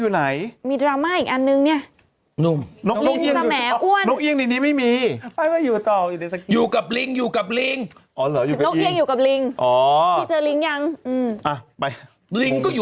ทำไมไม่เห็นพูดอะไรเลย